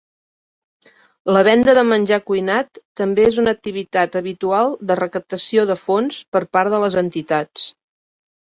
La venda de menjar cuinat també és una activitat habitual de recaptació de fons per part les entitats.